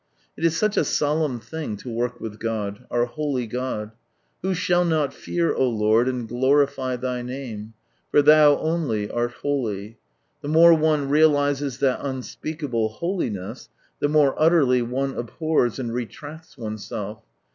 It is such a solemn thing lo work with God — our holy God. Who shall not fear, O Lord, and glorify Thy Name ? for Thou only art holy ! The more one realizes that unspeakable holiness, the more utterly one abhors and " retracts " oneself.